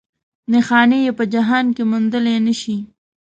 نښانې یې په جهان کې موندلی نه شي.